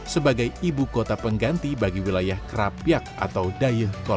sebagai ibu kota pengganti bagi wilayah krapiak atau dayekolong